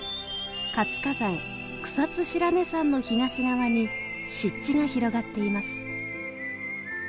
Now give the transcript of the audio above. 活火山草津白根山の東側に湿地が広がっています。